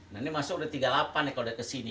nanti masuk udah tiga puluh delapan nih kalau udah kesini